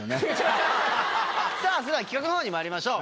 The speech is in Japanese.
さぁそれでは企画のほうにまいりましょう。